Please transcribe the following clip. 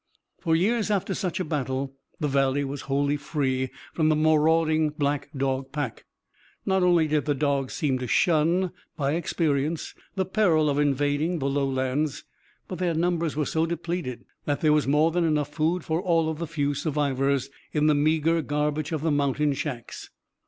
For years after such a battle, the Valley was wholly free from the marauding black dog pack. Not only did the dogs seem to shun, by experience, the peril of invading the lowlands; but their numbers were so depleted that there was more than enough food for all of the few survivors, in the meagre garbage of the mountain shacks.